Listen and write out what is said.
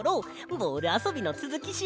ボールあそびのつづきしようぜ！